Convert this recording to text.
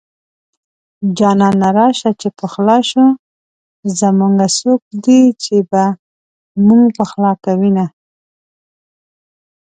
جانانه راشه چې پخلا شو زمونږه څوک دي چې به مونږ پخلا کوينه